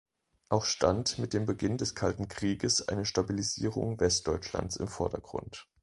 Auch stand mit dem Beginn des Kalten Krieges eine Stabilisierung Westdeutschlands im Vordergrund.